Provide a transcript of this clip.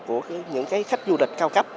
của những cái khách du lịch cao cấp